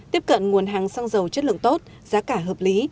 tiếp cận nguồn hàng xăng dầu chất lượng tốt giá cả hợp lý